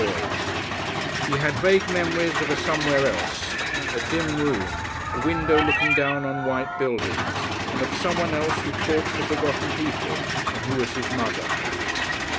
Yet he had vague memories of a somewhere else that was not New Romney of a dim room, a window looking down on white buildings and of a some one else who talked to forgotten people, and who was his mother.